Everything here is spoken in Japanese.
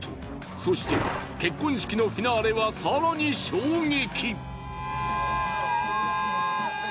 そして結婚式のフィナーレは更に衝撃。